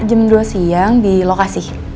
jam dua siang di lokasi